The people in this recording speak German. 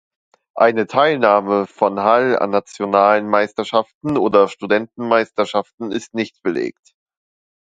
Eine Teilnahme von Hall an nationalen Meisterschaften oder Studentenmeisterschaften ist nicht belegt.